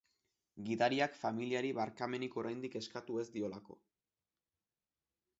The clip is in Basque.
Gidariak familiari barkamenik oraindik eskatu ez diolako.